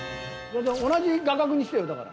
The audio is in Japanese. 同じ画角にしてよだから。